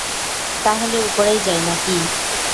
তাহলে উপরেই যাই, নাকি?